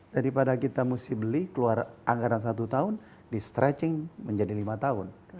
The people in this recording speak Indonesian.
daripada kita mesti beli keluar anggaran satu tahun di stretching menjadi lima tahun